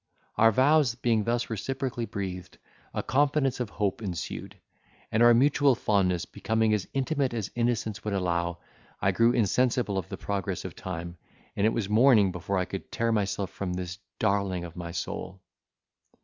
Our vows being thus reciprocally breathed, a confidence of hope ensued, and our mutual fondness becoming as intimate as innocence would allow, I grew insensible of the progress of time, and it was morning before I could tear myself from this darling of my soul!